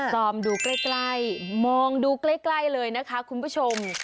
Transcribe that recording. ซอมดูใกล้มองดูใกล้เลยนะคะคุณผู้ชม